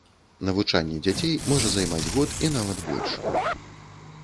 Навучанне дзяцей можа займаць год і нават больш.